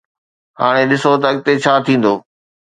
هاڻي ڏسون ته اڳتي ڇا ٿيندو